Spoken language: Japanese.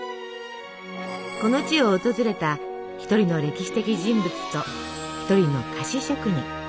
この地を訪れた一人の歴史的人物と一人の菓子職人。